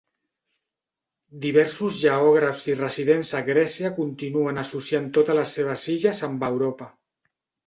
Diversos geògrafs i residents a Grècia continuen associant totes les seves illes amb Europa.